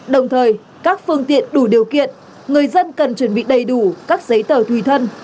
đồng thời các phương tiện đủ điều kiện người dân cần chuẩn bị đầy đủ các giấy tờ thùy thân